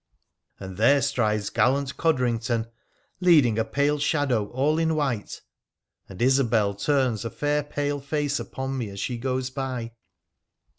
Arid there strides gallant Codrington, leading a pale shadow all in white, and PHRA THE PH(ENICIAN 347 Isobel turns a fair pale face upon me as she goes by.